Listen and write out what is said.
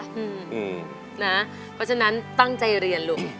เพราะฉะนั้นตั้งใจเรียนลูก